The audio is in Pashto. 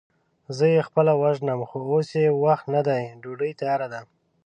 زه يې خپله وژنم، خو اوس يې وخت نه دی، ډوډۍ تياره ده.